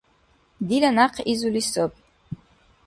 Дила някъ изули саби